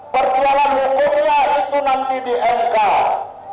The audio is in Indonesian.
perjuangan hukumnya itu nanti diengkar